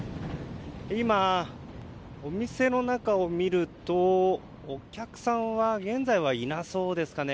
今、お店の中を見るとお客さんは現在はいなそうですかね。